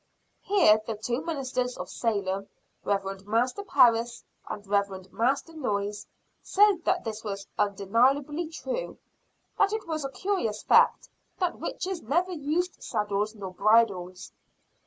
Here the two ministers of Salem, Rev. Master Parris and Rev. Master Noyes, said that this was undeniably true, that it was a curious fact that witches never used saddles nor bridles.